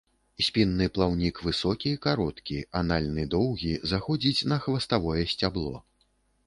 Спінны плаўнік высокі, кароткі, анальны доўгі, заходзіць на хваставое сцябло.